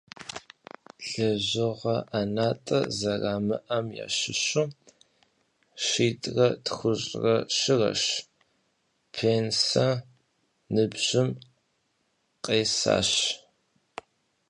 Lejığe 'enat'e zeramı'em yaşışu şit're txuş're şırer pênse nıbjım khesaş.